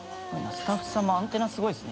スタッフさんもアンテナすごいですね。